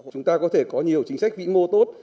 chúng ta có thể có nhiều chính sách vĩ mô tốt